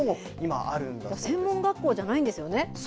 専門学校じゃないんですよね。